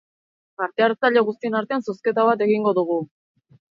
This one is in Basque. Parte-hartzaile guztien artean, zozketa bat egingo dugu.